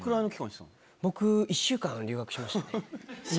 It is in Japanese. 僕１週間留学しましたね。